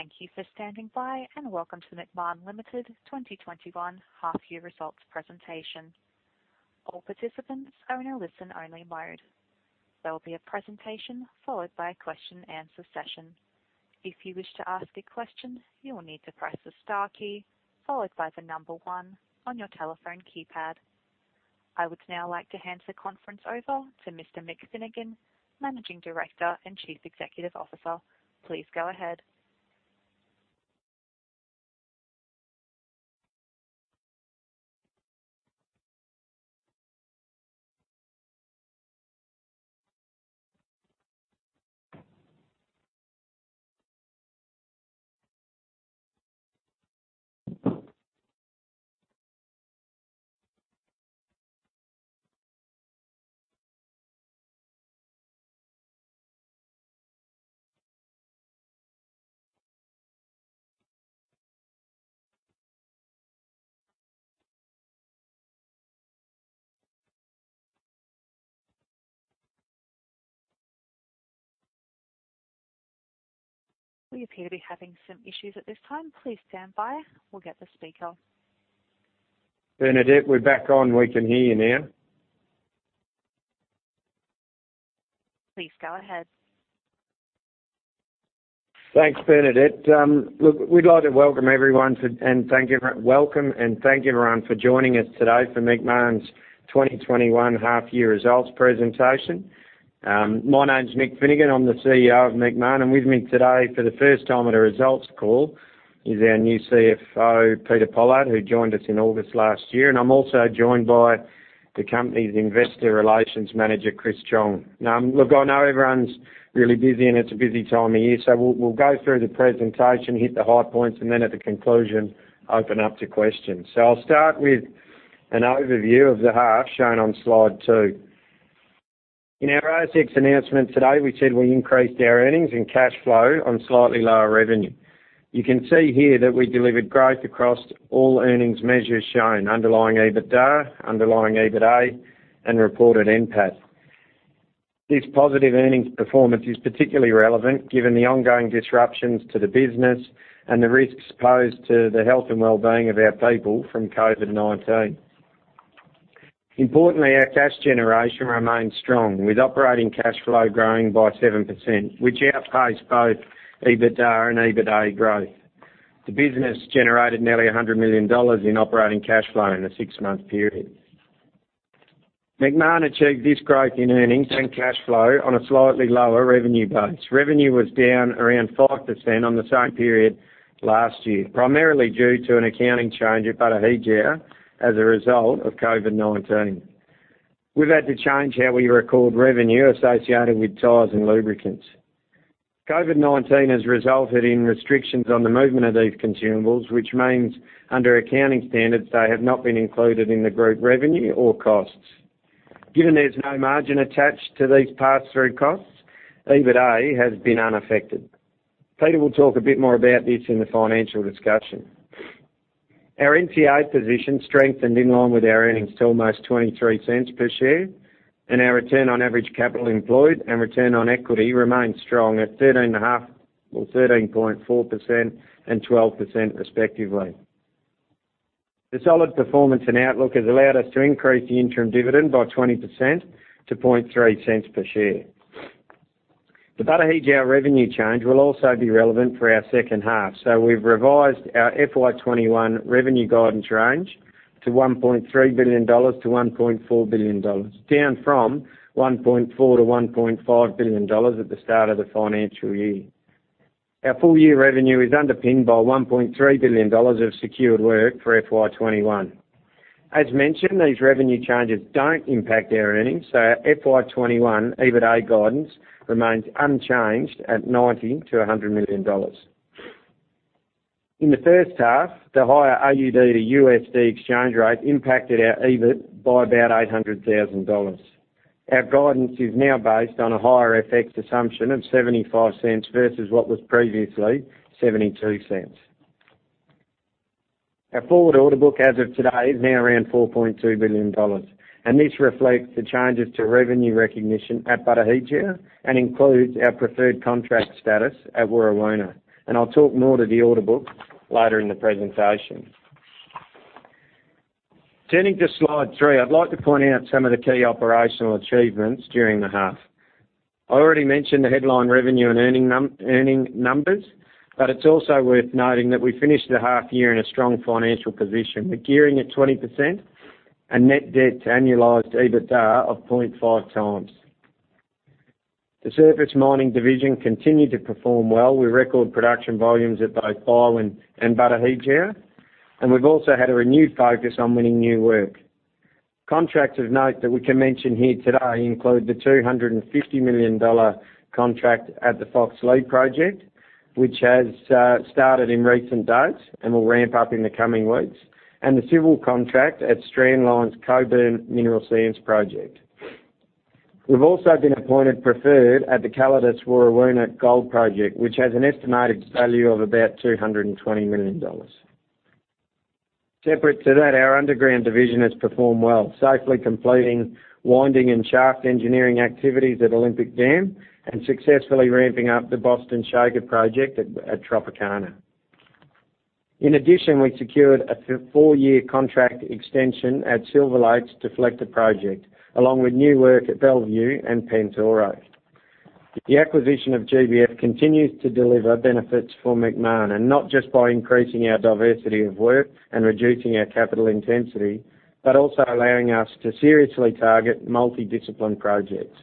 Thank you for standing by, and welcome to the Macmahon Limited 2021 Half-Year Results Presentation. All participants are in a listen-only mode. There will be a presentation followed by question-and-answer session. If you wish to ask a question, you will need to press the star key followed by the number one on your telephone keypad. I would now like to hand the conference over to Mr. Mick Finnegan, Managing Director and Chief Executive Officer. Please go ahead. We appear to be having some issues at this time. Please stand by. We'll get the speaker. Bernadette, we're back on. We can hear you now. Please go ahead. Thanks, Bernadette. We'd like to welcome and thank you, everyone, for joining us today for Macmahon's 2021 Half-Year Results Presentation. My name's Mick Finnegan, I'm the CEO of Macmahon. With me today for the first time on a results call is our new CFO, Peter Pollard, who joined us in August last year. I'm also joined by the company's Investor Relations Manager, Chris Chong. I know everyone's really busy. It's a busy time of year. We'll go through the presentation, hit the high points. Then at the conclusion, open up to questions. I'll start with an overview of the half, shown on Slide two. In our ASX announcement today, we said we increased our earnings and cash flow on slightly lower revenue. You can see here that we delivered growth across all earnings measures shown, underlying EBITDA, underlying EBIT(A), and reported NPAT. This positive earnings performance is particularly relevant given the ongoing disruptions to the business and the risks posed to the health and wellbeing of our people from COVID-19. Importantly, our cash generation remains strong, with operating cash flow growing by 7%, which outpaced both EBITDA and EBIT(A) growth. The business generated nearly 100 million dollars in operating cash flow in the six-month period. Macmahon achieved this growth in earnings and cash flow on a slightly lower revenue base. Revenue was down around 5% on the same period last year, primarily due to an accounting change at Batu Hijau as a result of COVID-19. We've had to change how we record revenue associated with tires and lubricants. COVID-19 has resulted in restrictions on the movement of these consumables, which means under accounting standards, they have not been included in the group revenue or costs. Given there's no margin attached to these pass-through costs, EBIT(A) has been unaffected. Peter will talk a bit more about this in the financial discussion. Our NTA position strengthened in line with our earnings to almost 0.23 per share, and our return on average capital employed and return on equity remains strong at 13.5% or 13.4%, and 12%, respectively. The solid performance and outlook has allowed us to increase the interim dividend by 20% to 0.003 per share. The Batu Hijau revenue change will also be relevant for our second half, so we've revised our FY 2021 revenue guidance range to 1.3 billion-1.4 billion dollars, down from 1.4 billion-1.5 billion dollars at the start of the financial year. Our full-year revenue is underpinned by 1.3 billion dollars of secured work for FY 2021. As mentioned, these revenue changes don't impact our earnings, so our FY 2021 EBIT(A) guidance remains unchanged at 90 million-100 million dollars. In the first half, the higher AUD to USD exchange rate impacted our EBIT by about 800,000 dollars. Our guidance is now based on a higher FX assumption of 0.75 versus what was previously 0.72. Our forward order book as of today is now around 4.2 billion dollars, and this reflects the changes to revenue recognition at Batu Hijau and includes our preferred contract status at Warrawoona, and I'll talk more to the order book later in the presentation. Turning to slide three, I'd like to point out some of the key operational achievements during the half. I already mentioned the headline revenue and earning numbers, but it's also worth noting that we finished the half year in a strong financial position with gearing at 20% and net debt to annualized EBITDA of 0.5x. The surface mining division continued to perform well with record production volumes at both Byerwen and Batu Hijau, and we've also had a renewed focus on winning new work. Contracts of note that we can mention here today include the 250 million dollar contract at the Foxleigh project, which has started in recent dates and will ramp up in the coming weeks, and the civil contract at Strandline's Coburn Mineral Sands project. We've also been appointed preferred at the Calidus Warrawoona Gold Project, which has an estimated value of about 220 million dollars. Separate to that, our underground division has performed well, safely completing winding and shaft engineering activities at Olympic Dam and successfully ramping up the Boston Shaker project at Tropicana. We secured a four-year contract extension at Silver Lake's Deflector project, along with new work at Bellevue and Pantoro. The acquisition of GBF continues to deliver benefits for Macmahon, not just by increasing our diversity of work and reducing our capital intensity, but also allowing us to seriously target multi-discipline projects.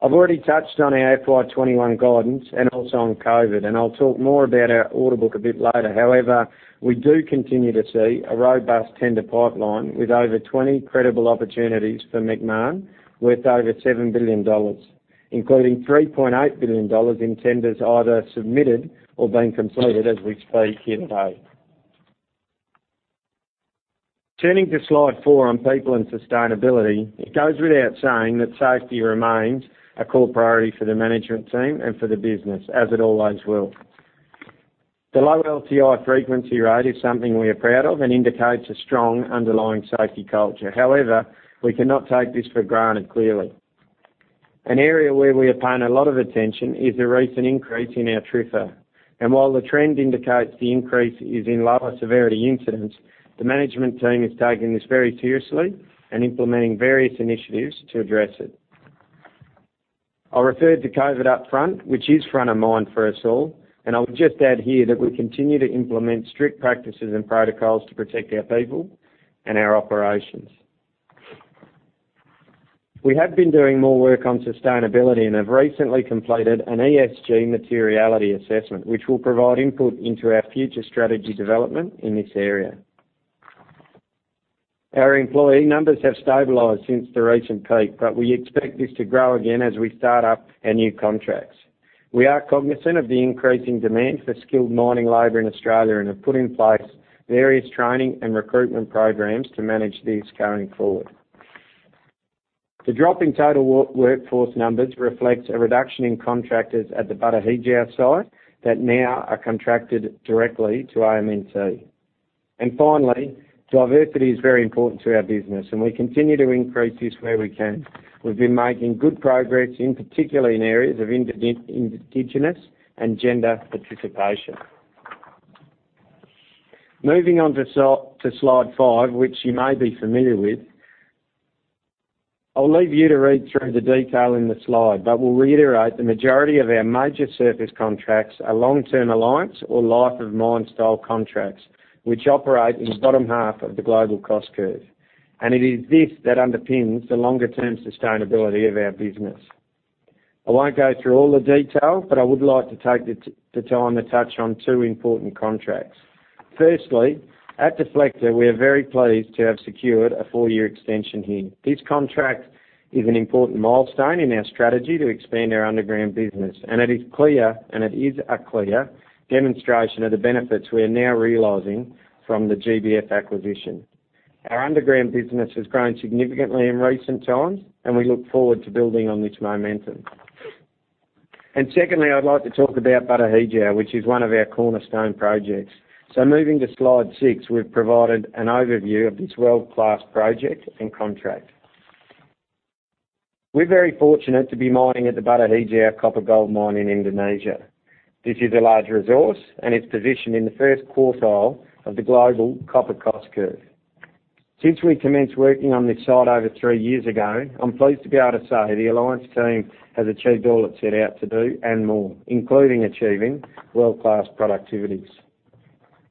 I've already touched on our FY 2021 guidance and also on COVID. I'll talk more about our order book a bit later. We do continue to see a robust tender pipeline with over 20 credible opportunities for Macmahon, worth over 7 billion dollars, including 3.8 billion dollars in tenders either submitted or being completed as we speak here today. Turning to slide four on people and sustainability, it goes without saying that safety remains a core priority for the management team and for the business, as it always will. The low LTI frequency rate is something we are proud of and indicates a strong underlying safety culture. We cannot take this for granted, clearly. An area where we are paying a lot of attention is the recent increase in our TRIFR. While the trend indicates the increase is in lower-severity incidents, the management team is taking this very seriously and implementing various initiatives to address it. I referred to COVID upfront, which is front of mind for us all, and I'll just add here that we continue to implement strict practices and protocols to protect our people and our operations. We have been doing more work on sustainability and have recently completed an ESG materiality assessment, which will provide input into our future strategy development in this area. Our employee numbers have stabilized since the recent peak, but we expect this to grow again as we start up our new contracts. We are cognizant of the increasing demand for skilled mining labor in Australia and have put in place various training and recruitment programs to manage this going forward. The drop in total workforce numbers reflects a reduction in contractors at the Batu Hijau site that now are contracted directly to AMNT. Finally, diversity is very important to our business, and we continue to increase this where we can. We've been making good progress, in particular, in areas of indigenous and gender participation. Moving on to slide five, which you may be familiar with. I'll leave you to read through the detail in the slide, but will reiterate the majority of our major surface contracts are long-term alliance or life of mine style contracts, which operate in the bottom half of the global cost curve. It is this that underpins the longer-term sustainability of our business. I won't go through all the detail, but I would like to take the time to touch on two important contracts. Firstly, at Deflector, we are very pleased to have secured a four-year extension here. This contract is an important milestone in our strategy to expand our underground business, it is a clear demonstration of the benefits we are now realizing from the GBF acquisition. Our underground business has grown significantly in recent times, we look forward to building on this momentum. Secondly, I'd like to talk about Batu Hijau, which is one of our cornerstone projects. Moving to slide six, we've provided an overview of this world-class project and contract. We're very fortunate to be mining at the Batu Hijau copper gold mine in Indonesia. This is a large resource, it's positioned in the first quartile of the global copper cost curve. Since we commenced working on this site over three years ago, I'm pleased to be able to say the alliance team has achieved all it set out to do and more, including achieving world-class productivities.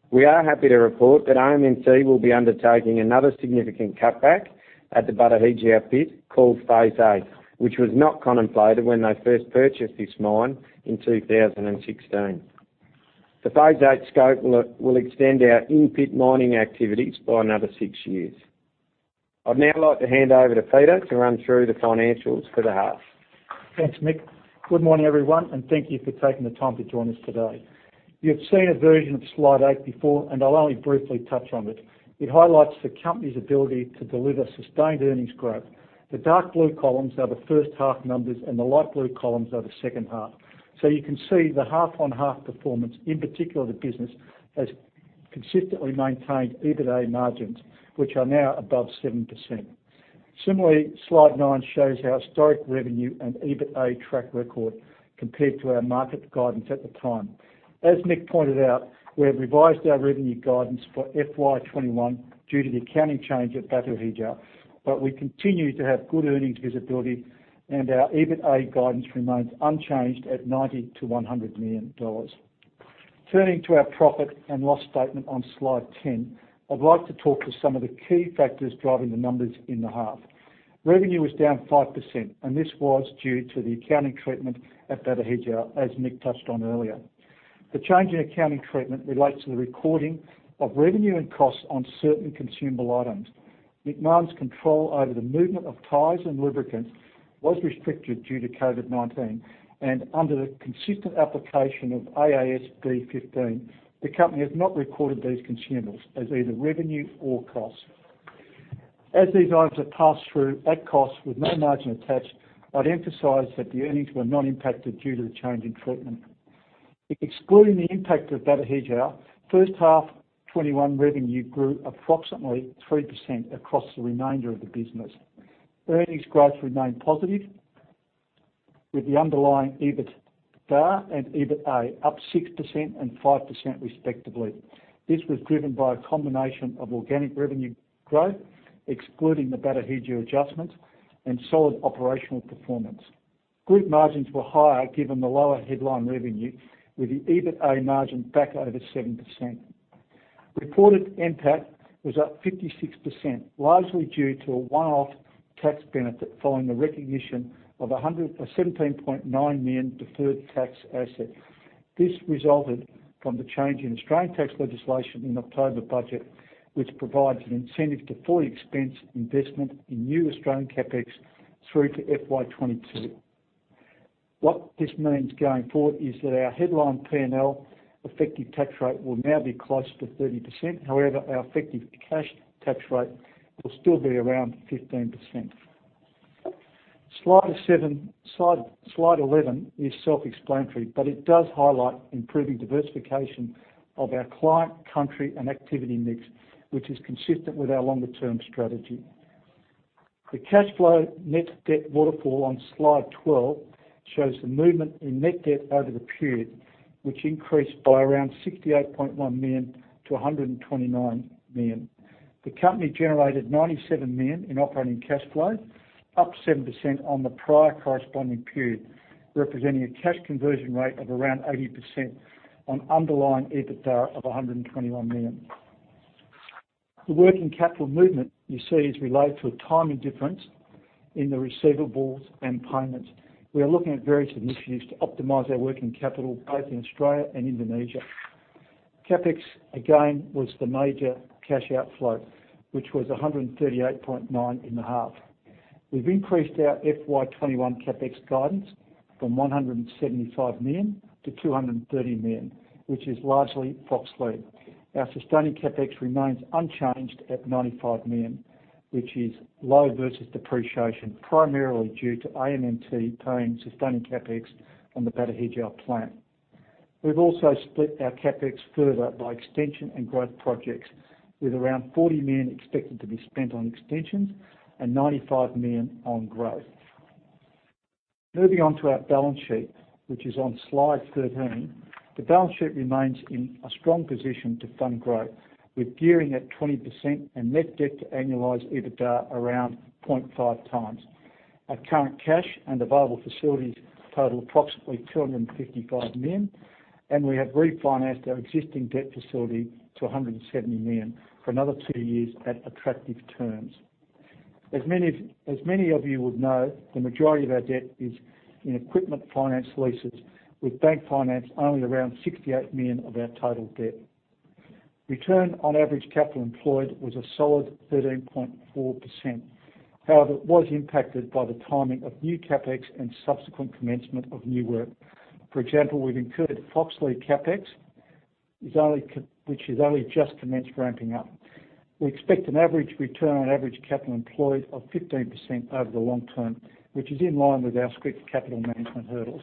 We are happy to report that AMNT will be undertaking another significant cutback at the Batu Hijau pit called Phase 8, which was not contemplated when they first purchased this mine in 2016. The Phase 8 scope will extend our in-pit mining activities by another six years. I'd now like to hand over to Peter to run through the financials for the half. Thanks, Mick. Good morning, everyone, and thank you for taking the time to join us today. You've seen a version of slide eight before, and I'll only briefly touch on it. It highlights the company's ability to deliver sustained earnings growth. The dark blue columns are the first half numbers and the light blue columns are the second half. You can see the half-on-half performance, in particular, the business has consistently maintained EBIT(A) margins, which are now above 7%. Similarly, slide nine shows our historic revenue and EBIT(A) track record compared to our market guidance at the time. As Mick pointed out, we have revised our revenue guidance for FY 2021 due to the accounting change at Batu Hijau, but we continue to have good earnings visibility, and our EBIT(A) guidance remains unchanged at 90 million-100 million dollars. Turning to our profit and loss statement on slide 10, I'd like to talk to some of the key factors driving the numbers in the half. Revenue was down 5%, and this was due to the accounting treatment at Batu Hijau, as Mick touched on earlier. The change in accounting treatment relates to the recording of revenue and costs on certain consumable items. Macmahon's control over the movement of tires and lubricants was restricted due to COVID-19, and under the consistent application of AASB 15, the company has not recorded these consumables as either revenue or cost. As these items are passed through at cost with no margin attached, I'd emphasize that the earnings were not impacted due to the change in treatment. Excluding the impact of Batu Hijau, first half 2021 revenue grew approximately 3% across the remainder of the business. Earnings growth remained positive with the underlying EBITDA and EBIT(A) up 6% and 5% respectively. This was driven by a combination of organic revenue growth, excluding the Batu Hijau adjustment, and solid operational performance. Group margins were higher given the lower headline revenue with the EBIT(A) margin back over 7%. Reported NPAT was up 56%, largely due to a one-off tax benefit following the recognition of a 17.9 million deferred tax asset. This resulted from the change in Australian tax legislation in October budget, which provides an incentive to fully expense investment in new Australian CapEx through to FY 2022. What this means going forward is that our headline P&L effective tax rate will now be closer to 30%. However, our effective cash tax rate will still be around 15%. Slide 11 is self-explanatory, but it does highlight improving diversification of our client, country, and activity mix, which is consistent with our longer-term strategy. The cash flow net debt waterfall on slide 12 shows the movement in net debt over the period, which increased by around 68.1 million-129 million. The company generated 97 million in operating cash flow, up 7% on the prior corresponding period, representing a cash conversion rate of around 80% on underlying EBITDA of 121 million. The working capital movement you see is related to a timing difference in the receivables and payments. We are looking at various initiatives to optimize our working capital, both in Australia and Indonesia. CapEx, again, was the major cash outflow, which was 138.9 million in the half. We've increased our FY 2021 CapEx guidance from 175 million to 230 million, which is largely Foxleigh. Our sustaining CapEx remains unchanged at 95 million, which is low versus depreciation, primarily due to AMNT paying sustaining CapEx on the Batu Hijau plant. We've also split our CapEx further by extension and growth projects, with around 40 million expected to be spent on extensions and 95 million on growth. Moving on to our balance sheet, which is on slide 13. The balance sheet remains in a strong position to fund growth with gearing at 20% and net debt to annualized EBITDA around 0.5x. Our current cash and available facilities total approximately 255 million, we have refinanced our existing debt facility to 170 million for another two years at attractive terms. As many of you would know, the majority of our debt is in equipment finance leases with bank finance only around 68 million of our total debt. Return on average capital employed was a solid 13.4%. However, it was impacted by the timing of new CapEx and subsequent commencement of new work. For example, we've incurred Foxleigh CapEx, which has only just commenced ramping up. We expect an average return on average capital employed of 15% over the long term, which is in line with our strict capital management hurdles.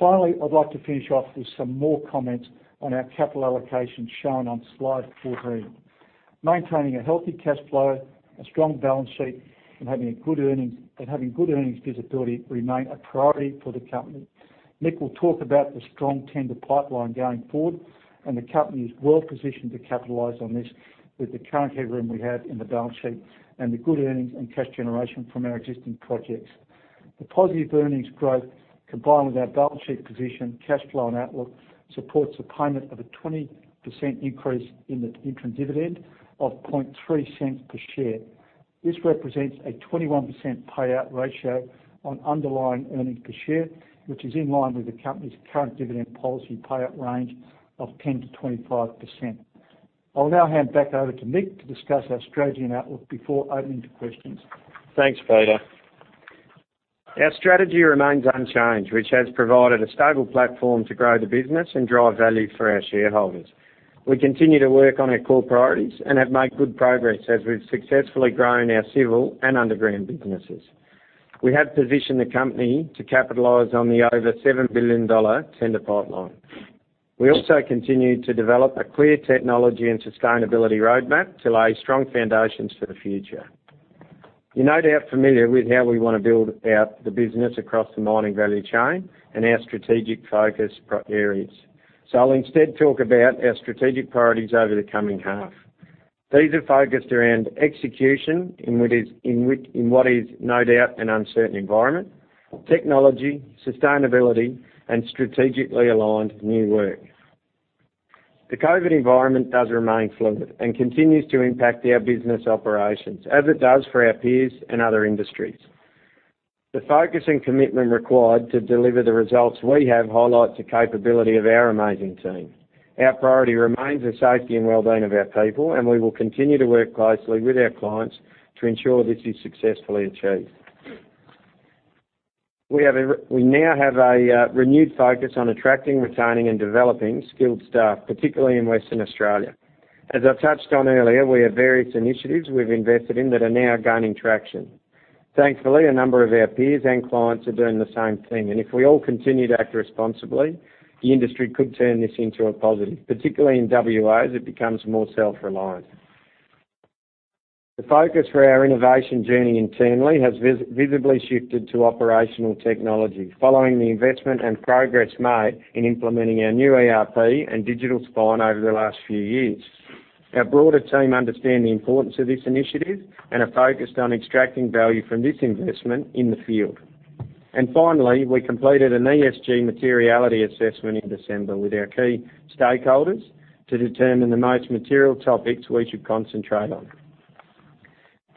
Finally, I'd like to finish off with some more comments on our capital allocation shown on slide 14. Maintaining a healthy cash flow, a strong balance sheet, and having good earnings visibility remain a priority for the company. Mick will talk about the strong tender pipeline going forward, and the company is well positioned to capitalize on this with the current headroom we have in the balance sheet and the good earnings and cash generation from our existing projects. The positive earnings growth, combined with our balance sheet position, cash flow, and outlook, supports the payment of a 20% increase in the interim dividend of 0.003 per share. This represents a 21% payout ratio on underlying earnings per share, which is in line with the company's current dividend policy payout range of 10%-25%. I'll now hand back over to Mick to discuss our strategy and outlook before opening to questions. Thanks, Peter. Our strategy remains unchanged, which has provided a stable platform to grow the business and drive value for our shareholders. We continue to work on our core priorities and have made good progress as we've successfully grown our civil and underground businesses. We have positioned the company to capitalize on the over 7 billion dollar tender pipeline. We also continue to develop a clear technology and sustainability roadmap to lay strong foundations for the future. You're no doubt familiar with how we want to build out the business across the mining value chain and our strategic focus areas. I'll instead talk about our strategic priorities over the coming half. These are focused around execution in what is no doubt an uncertain environment, technology, sustainability, and strategically aligned new work. The COVID-19 environment does remain fluid and continues to impact our business operations as it does for our peers and other industries. The focus and commitment required to deliver the results we have highlights the capability of our amazing team. Our priority remains the safety and well-being of our people, and we will continue to work closely with our clients to ensure this is successfully achieved. We now have a renewed focus on attracting, retaining, and developing skilled staff, particularly in Western Australia. As I've touched on earlier, we have various initiatives we've invested in that are now gaining traction. Thankfully, a number of our peers and clients are doing the same thing, and if we all continue to act responsibly, the industry could turn this into a positive, particularly in WA, as it becomes more self-reliant. The focus for our innovation journey internally has visibly shifted to operational technology following the investment and progress made in implementing our new ERP and digital spine over the last few years. Our broader team understand the importance of this initiative and are focused on extracting value from this investment in the field. Finally, we completed an ESG materiality assessment in December with our key stakeholders to determine the most material topics we should concentrate on.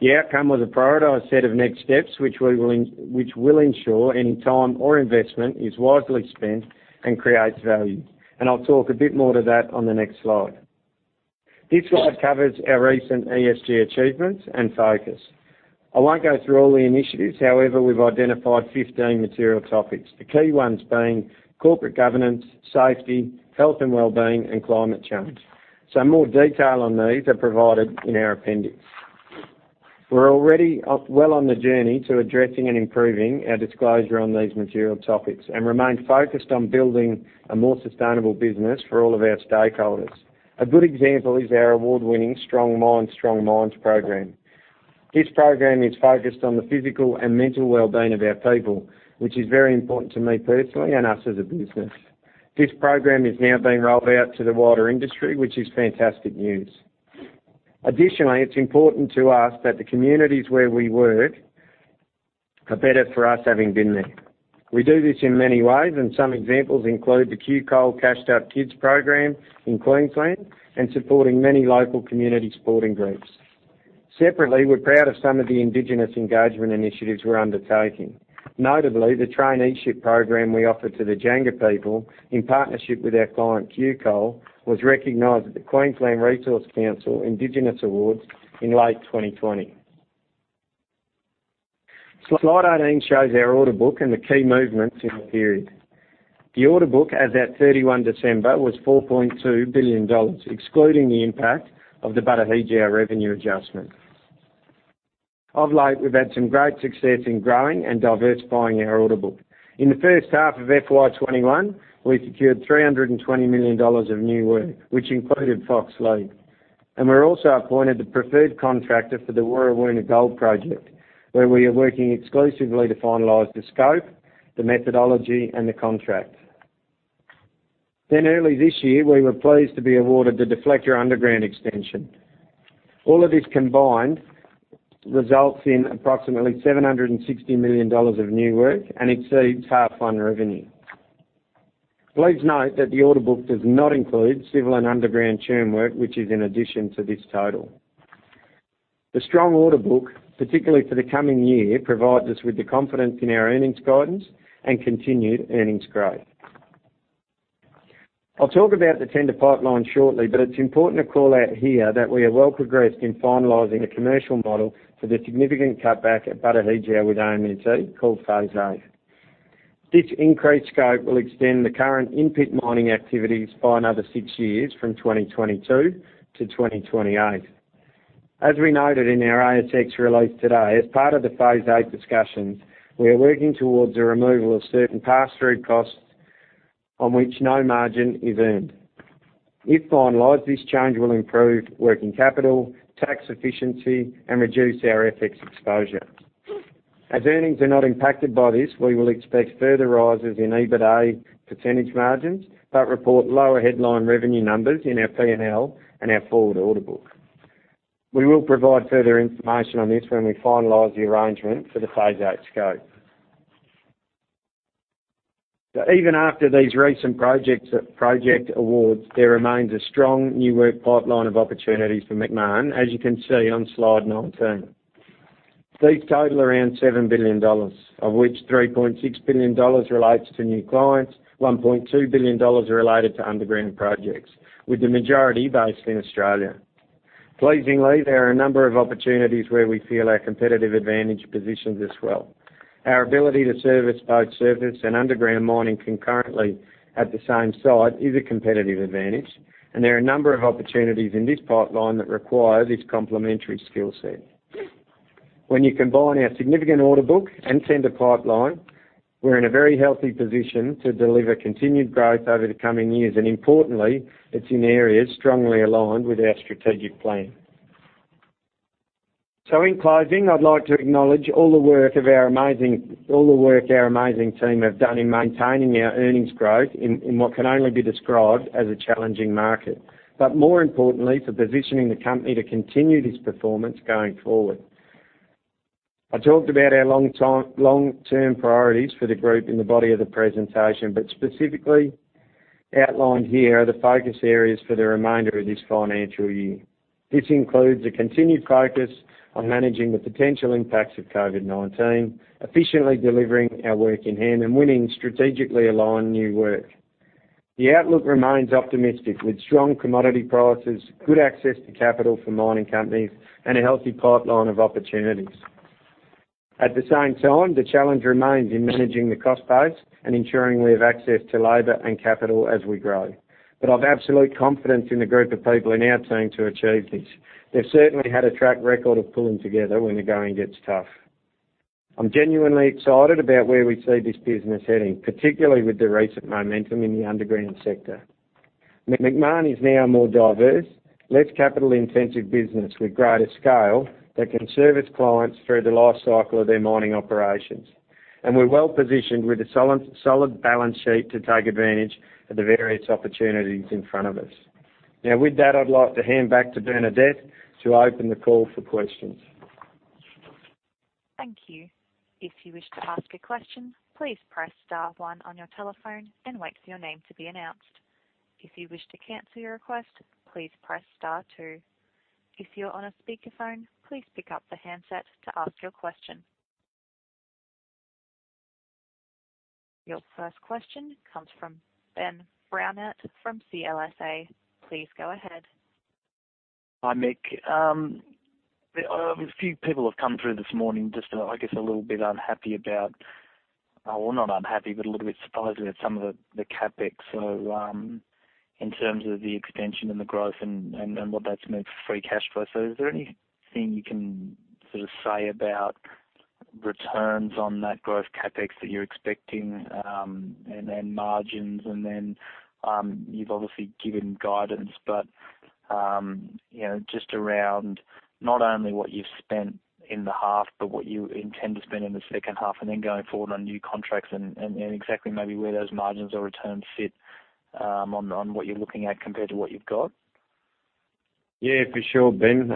The outcome was a prioritized set of next steps, which will ensure any time or investment is wisely spent and creates value, and I'll talk a bit more to that on the next slide. This slide covers our recent ESG achievements and focus. I won't go through all the initiatives. However, we've identified 15 material topics, the key ones being corporate governance, safety, health and wellbeing, and climate change. More detail on these are provided in our appendix. We are already well on the journey to addressing and improving our disclosure on these material topics and remain focused on building a more sustainable business for all of our stakeholders. A good example is our award-winning Strong Minds, Strong Mines program. This program is focused on the physical and mental well-being of our people, which is very important to me personally and us as a business. This program is now being rolled out to the wider industry, which is fantastic news. Additionally, it is important to us that the communities where we work are better for us having been there. We do this in many ways, and some examples include the QCoal, Ca$hEd Up program in Queensland and supporting many local community sporting groups. Separately, we are proud of some of the indigenous engagement initiatives we are undertaking. Notably, the traineeship program we offer to the Jangga people in partnership with our client, QCoal, was recognized at the Queensland Resources Council Indigenous Awards in late 2020. Slide 18 shows our order book and the key movements in the period. The order book as at 31 December was 4.2 billion dollars, excluding the impact of the Batu Hijau revenue adjustment. Of late, we've had some great success in growing and diversifying our order book. In the first half of FY 2021, we secured 320 million dollars of new work, which included Foxleigh, and we're also appointed the preferred contractor for the Warrawoona gold project, where we are working exclusively to finalize the scope, the methodology, and the contract. Early this year, we were pleased to be awarded the Deflector Underground Extension. All of this combined results in approximately 760 million dollars of new work and exceeds half one revenue. Please note that the order book does not include civil and underground churn work, which is in addition to this total. The strong order book, particularly for the coming year, provides us with the confidence in our earnings guidance and continued earnings growth. I'll talk about the tender pipeline shortly. It's important to call out here that we are well progressed in finalizing a commercial model for the significant cutback at Batu Hijau with AMNT called Phase 8. This increased scope will extend the current in-pit mining activities by another six years from 2022 to 2028. As we noted in our ASX release today, as part of the Phase 8 discussions, we are working towards the removal of certain pass-through costs on which no margin is earned. If finalized, this change will improve working capital, tax efficiency, and reduce our FX exposure. As earnings are not impacted by this, we will expect further rises in EBIT(A) percentage margins but report lower headline revenue numbers in our P&L and our forward order book. We will provide further information on this when we finalize the arrangement for the Phase 8 scope. Even after these recent project awards, there remains a strong new work pipeline of opportunities for Macmahon, as you can see on slide 19. These total around 7 billion dollars, of which 3.6 billion dollars relates to new clients. 1.2 billion dollars are related to underground projects, with the majority based in Australia. Pleasingly, there are a number of opportunities where we feel our competitive advantage positions us well. Our ability to service both surface and underground mining concurrently at the same site is a competitive advantage, and there are a number of opportunities in this pipeline that require this complementary skill set. When you combine our significant order book and tender pipeline, we're in a very healthy position to deliver continued growth over the coming years, and importantly, it's in areas strongly aligned with our strategic plan. In closing, I'd like to acknowledge all the work our amazing team have done in maintaining our earnings growth in what can only be described as a challenging market, but more importantly, for positioning the company to continue this performance going forward. I talked about our long-term priorities for the group in the body of the presentation, but specifically outlined here are the focus areas for the remainder of this financial year. This includes a continued focus on managing the potential impacts of COVID-19, efficiently delivering our work in hand, and winning strategically aligned new work. The outlook remains optimistic with strong commodity prices, good access to capital for mining companies, and a healthy pipeline of opportunities. At the same time, the challenge remains in managing the cost base and ensuring we have access to labor and capital as we grow. I've absolute confidence in the group of people who are now seeing to achieve this. They've certainly had a track record of pulling together when the going gets tough. I'm genuinely excited about where we see this business heading, particularly with the recent momentum in the underground sector. Macmahon is now a more diverse, less capital-intensive business with greater scale that can serve its clients through the lifecycle of their mining operations. We're well-positioned with a solid balance sheet to take advantage of the various opportunities in front of us. Now, with that, I'd like to hand back to Bernadette to open the call for questions. Thank you. If you wish to ask a question please press star one on your telephone and wait for your name to be announced. If you wish to cancel your request please press star two. If you're on a speakerphone please pick up the handset to ask your question. Your first question comes from Ben Brownette from CLSA. Please go ahead. Hi, Mick. A few people have come through this morning just, I guess, a little bit unhappy about, not unhappy, but a little bit surprised with some of the CapEx. In terms of the extension and the growth and what that's meant for free cash flow. Is there anything you can say about returns on that growth CapEx that you're expecting, and then margins, and then you've obviously given guidance, but just around not only what you've spent in the half, but what you intend to spend in the second half, and then going forward on new contracts and exactly maybe where those margins or returns fit on what you're looking at compared to what you've got? Yeah, for sure, Ben.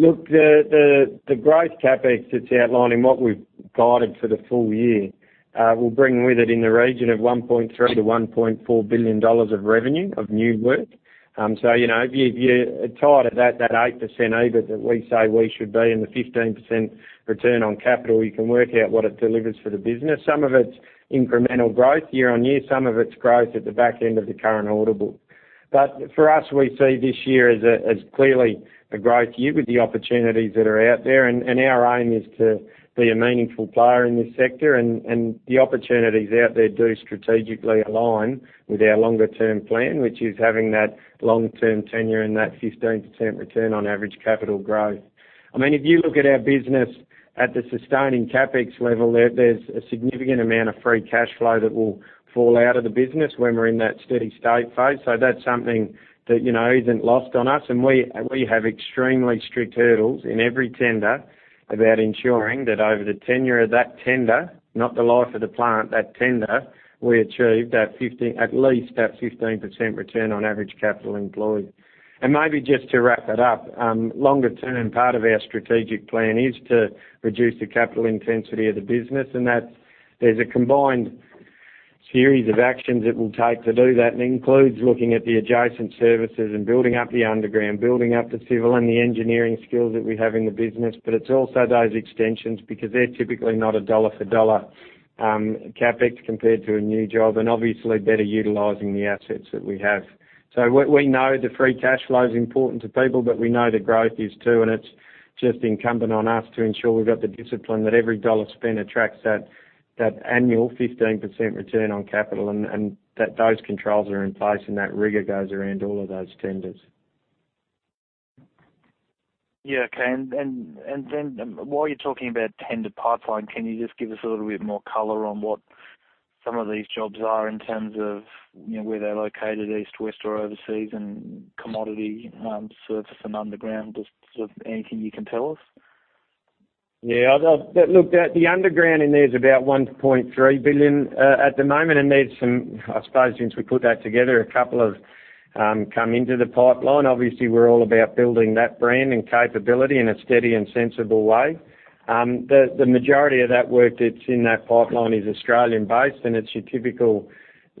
Look, the growth CapEx that's outlined and what we've guided for the full year will bring with it in the region of AUD 1.3 billion-AUD 1.4 billion of revenue of new work. If you tie to that 8% EBIT that we say we should be and the 15% return on capital, you can work out what it delivers for the business. Some of it's incremental growth year-on-year, some of it's growth at the back end of the current order book. For us, we see this year as clearly a growth year with the opportunities that are out there. Our aim is to be a meaningful player in this sector and the opportunities out there do strategically align with our longer-term plan, which is having that long-term tenure and that 15% return on average capital growth. If you look at our business at the sustaining CapEx level, there's a significant amount of free cash flow that will fall out of the business when we're in that steady state phase. That's something that isn't lost on us. We have extremely strict hurdles in every tender about ensuring that over the tenure of that tender, not the life of the plant, that tender, we achieve at least that 15% return on average capital employed. Maybe just to wrap it up. Longer-term, part of our strategic plan is to reduce the capital intensity of the business, and there's a combined series of actions it will take to do that, and it includes looking at the adjacent services and building up the underground, building up the civil and the engineering skills that we have in the business, but it's also those extensions because they're typically not a dollar-for-dollar CapEx compared to a new job, and obviously better utilizing the assets that we have. We know the free cash flow is important to people, but we know the growth is too, and it's just incumbent on us to ensure we've got the discipline that every dollar spent attracts that annual 15% return on capital, and those controls are in place, and that rigor goes around all of those tenders. Yeah, okay. While you're talking about tender pipeline, can you just give us a little bit more color on what some of these jobs are in terms of where they're located, east, west, or overseas, and commodity, surface, and underground? Just anything you can tell us? Yeah. Look, the underground in there is about 1.3 billion at the moment. There's some, I suppose since we put that together, a couple have come into the pipeline. Obviously, we're all about building that brand and capability in a steady and sensible way. The majority of that work that's in that pipeline is Australian-based, and it's your typical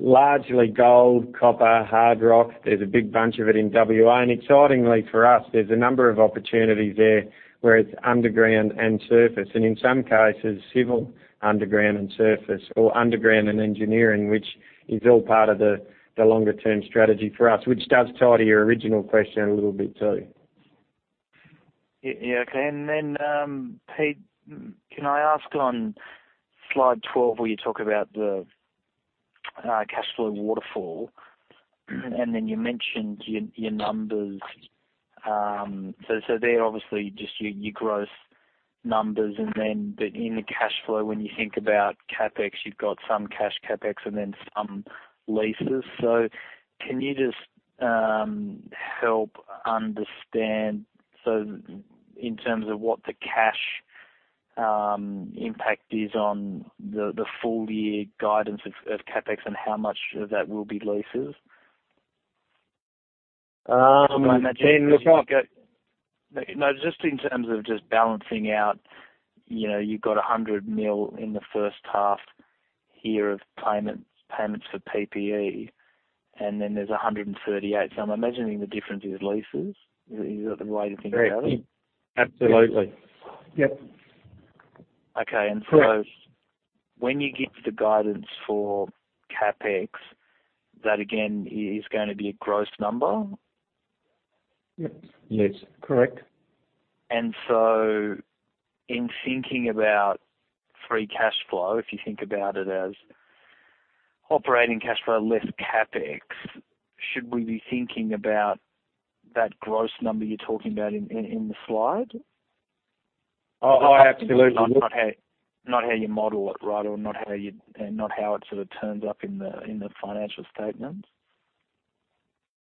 largely gold, copper, hard rock. There's a big bunch of it in WA. Excitingly for us, there's a number of opportunities there where it's underground and surface, and in some cases, civil, underground, and surface or underground and engineering, which is all part of the longer-term strategy for us, which does tie to your original question a little bit too. Yeah, okay. Pete, can I ask on slide 12 where you talk about the cash flow waterfall, and then you mentioned your numbers. They're obviously just your gross numbers. In the cash flow, when you think about CapEx, you've got some cash CapEx and then some leases. Can you just help understand in terms of what the cash impact is on the full year guidance of CapEx and how much of that will be leases? Um- So I imagine- Ben, look, Just in terms of just balancing out, you've got 100 million in the first half here of payments for PPE, and then there's 138 million. I'm imagining the difference is leases. Is that the way to think about it? Absolutely. Yep. Okay. When you give the guidance for CapEx, that again, is going to be a gross number? Yes. Correct. In thinking about free cash flow, if you think about it as operating cash flow less CapEx, should we be thinking about that gross number you're talking about in the slide? Oh, absolutely. Not how you model it, right? Not how it sort of turns up in the financial statements.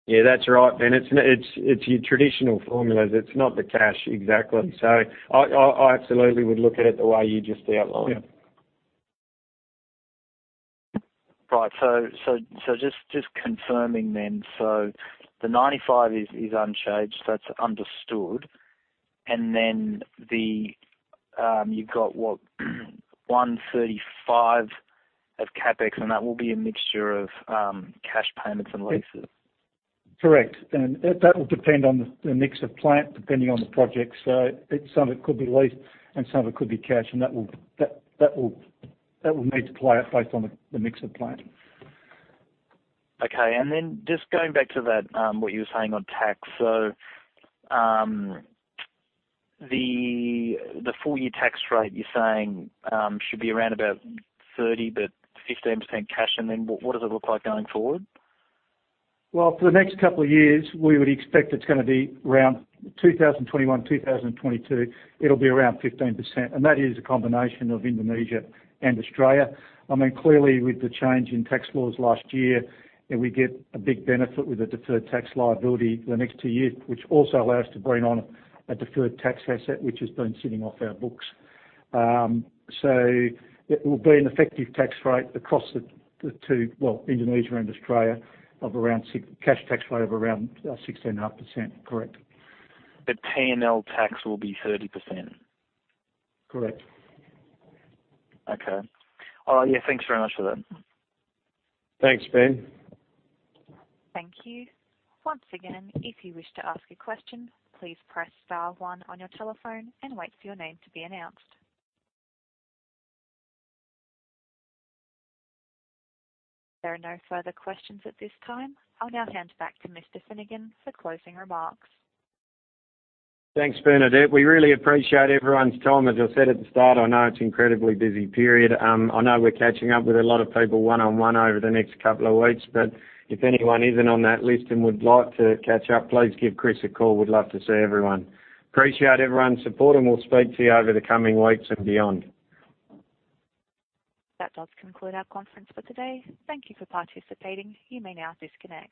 Yeah, that's right. It's your traditional formulas. It's not the cash exactly. I absolutely would look at it the way you just outlined. Yeah. Right. Just confirming then, the 95 million is unchanged, that's understood. Then you've got what? 135 million of CapEx, and that will be a mixture of cash payments and leases. Correct. That will depend on the mix of plant, depending on the project. Some of it could be leased and some of it could be cash, and that will need to play out based on the mix of plant. Okay. Just going back to what you were saying on tax. The full year tax rate, you're saying, should be around about 30%, but 15% cash. What does it look like going forward? Well, for the next couple of years, we would expect it's gonna be around 2021, 2022, it'll be around 15%. That is a combination of Indonesia and Australia. Clearly with the change in tax laws last year, and we get a big benefit with the deferred tax liability for the next two years, which also allows to bring on a deferred tax asset, which has been sitting off our books. It will be an effective tax rate across the two, well, Indonesia and Australia, cash tax rate of around 16.5%. Correct. The P&L tax will be 30%. Correct. Okay. Yeah, thanks very much for that. Thanks, Ben. Thank you. Once again, if you wish to ask a question, please press star one on your telephone and wait for your name to be announced. There are no further questions at this time. I'll now hand back to Mr. Finnegan for closing remarks. Thanks, Bernadette. We really appreciate everyone's time. As I said at the start, I know it's incredibly busy period. I know we're catching up with a lot of people one-on-one over the next couple of weeks, but if anyone isn't on that list and would like to catch up, please give Chris a call. We'd love to see everyone. Appreciate everyone's support, and we'll speak to you over the coming weeks and beyond. That does conclude our conference for today. Thank you for participating. You may now disconnect.